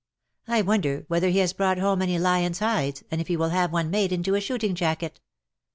I wonder whether he has brought home any lions^ hides, and if he will have one made into a shooting jacket.